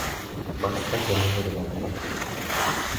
Má strach z rozhodování.